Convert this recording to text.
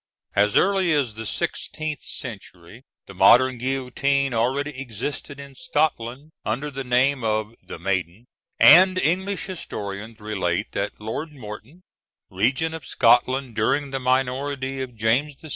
As early as the sixteenth century the modern guillotine already existed in Scotland under the name of the Maiden, and English historians relate that Lord Morton, regent of Scotland during the minority of James VI.